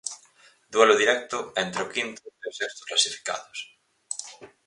Duelo directo entre o quinto e o sexto clasificados.